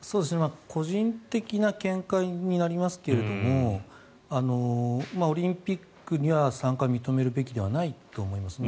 個人的な見解になりますけれどもオリンピックには参加を認めるべきではないと思いますね。